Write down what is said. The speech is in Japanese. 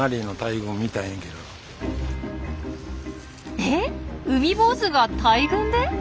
えっ海坊主が大群で！？